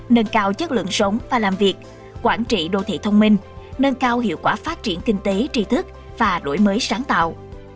nâng cao chất lượng sống và làm việc quản trị đô thị thông minh nâng cao hiệu quả phát triển kinh tế tri thức và đổi mới sáng tạo